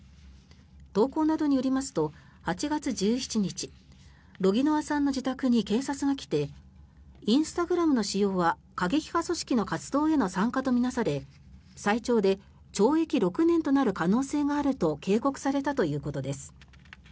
投稿などによりますと８月１７日ロギノワさんの自宅に警察が来てインスタグラムの使用は過激派組織の活動への参加と見なされ最長で懲役６年となる可能性があると警告されたということです。